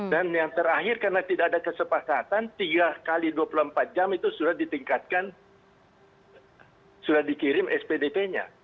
dan yang terakhir karena tidak ada kesepakatan tiga x dua puluh empat jam itu sudah ditingkatkan sudah dikirim spdp nya